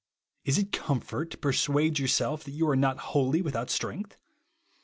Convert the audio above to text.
Is it comfort to persuade yourself that you are not wholly without strength